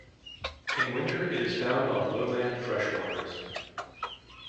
In winter it is found on lowland fresh waters.